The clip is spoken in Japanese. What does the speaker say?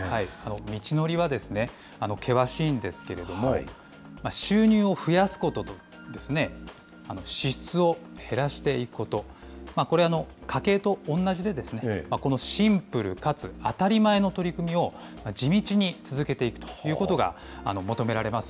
道のりは険しいんですけれども、収入を増やすことと、支出を減らしていくこと、これ、家計と同じで、このシンプルかつあたりまえの取り組みを、地道に続けていくということが求められます。